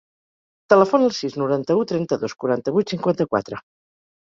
Telefona al sis, noranta-u, trenta-dos, quaranta-vuit, cinquanta-quatre.